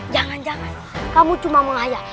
jangan jangan kamu cuma mengayak